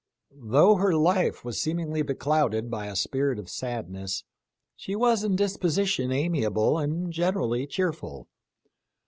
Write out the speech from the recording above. Though her life was seem ingly beclouded by a spirit of sadness, she was in disposition amiable and generally cheerful.